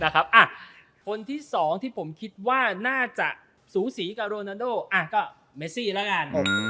คนที่๒ที่ผมคิดว่าน่าจะสูสีกับโรนาโดก็เมซี่แล้วกัน